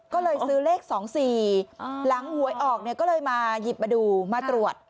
ก็เลยซื้อเลข๒๔หลังหวยออกเนี่ยก็เลยมาหยิบมาดูมาตรวจ